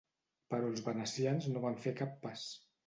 Però els venecians no van fer cap pas.